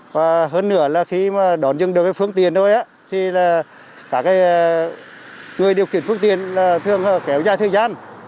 và hơn nửa là khi đón dừng được phương tiện thôi thì cả người điều kiện phương tiện thường kéo dài thời gian